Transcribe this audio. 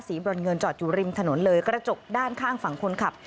บรอนเงินจอดอยู่ริมถนนเลยกระจกด้านข้างฝั่งคนขับ